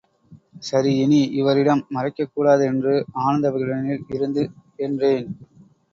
சரிஇனி இவரிடம் மறைக்கக்கூடாதென்று, ஆனந்த விகடனில் இருந்து என்றேன்.